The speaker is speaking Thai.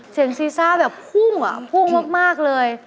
เสียงซีซ่าแบบพุ่งอะพุ่งมากเลย